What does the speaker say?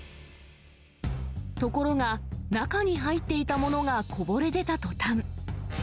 ところが、中に入っていたものがこぼれ出たとたん。